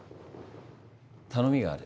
頼みがある。